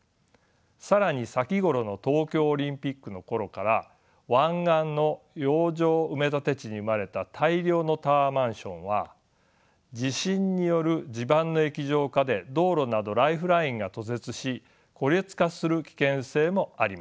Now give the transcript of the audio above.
更に先ごろの東京オリンピックの頃から湾岸の洋上埋立地に生まれた大量のタワーマンションは地震による地盤の液状化で道路などライフラインが途絶し孤立化する危険性もあります。